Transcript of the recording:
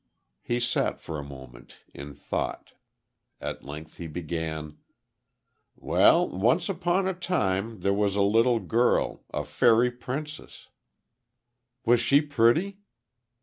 He sat for a moment, in thought; at length he began: "Well, once upon a time, there was a little girl a fairy princess." "Was she pretty?"